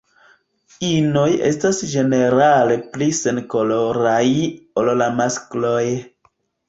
Inoj estas ĝenerale pli senkoloraj ol la maskloj.